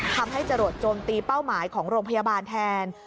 ให้จรดโจมตีเป้าหมายของโรงพยาบาลแทน